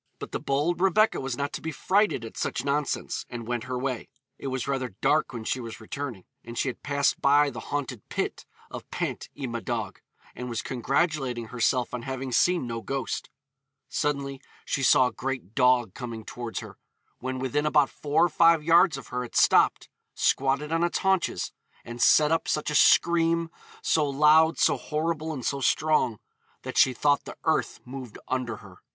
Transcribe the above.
But the bold Rebecca was not to be frighted at such nonsense, and went her way. It was rather dark when she was returning, and she had passed by the haunted pit of Pant y Madog, and was congratulating herself on having seen no ghost. Suddenly she saw a great dog coming towards her. When within about four or five yards of her it stopped, squatted on its haunches, 'and set up such a scream, so loud, so horrible, and so strong, that she thought the earth moved under her.'